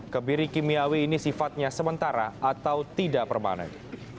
kebiri kimiawi ini sifatnya sementara atau tidak permanen